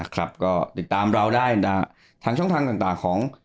ก็ติดตามเราได้ทางช่องทางต่างของ